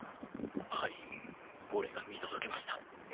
はい俺が見届けました。